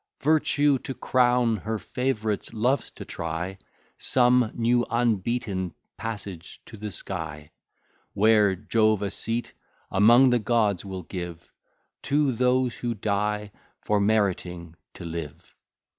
Virtue, to crown her favourites, loves to try Some new unbeaten passage to the sky; Where Jove a seat among the gods will give To those who die, for meriting to live.